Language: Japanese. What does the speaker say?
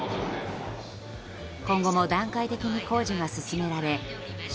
今後も段階的に工事が進められ渋